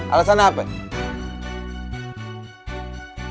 alasannya apa ya